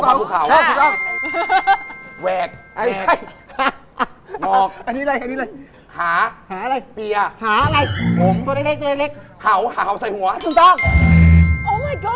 ผมบางภูเขาคุณต้องแหวกแหวกงอกหาตียะหาอะไรตัวเล็กหาวหาวใส่หัวถูกต้อง